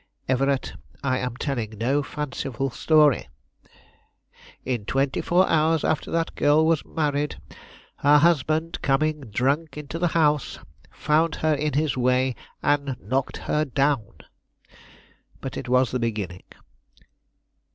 Everett, I am telling no fanciful story. In twenty four hours after that girl was married, her husband, coming drunk into the house, found her in his way, and knocked her down. It was but the beginning.